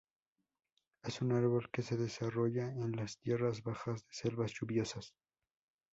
Es un árbol que se desarrolla en las tierras bajas de selvas lluviosas.